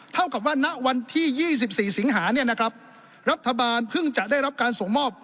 เท่ากับว่าณวันที่๒๔สิงหาเนี่ยนะครับรัฐบาลเพิ่งจะได้รับการส่งมอบ